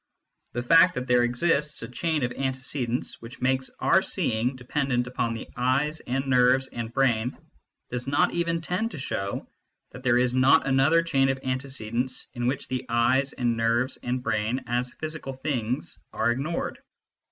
The fact that there exists a chain of antecedents which makes our seeing dependent upon the eyes and nerves and brain does not even tend to show that there is not another chain of antecedents in which the eyes and nerves and brain as physical things are ignored.